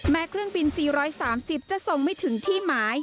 เครื่องบิน๔๓๐จะส่งไม่ถึงที่หมาย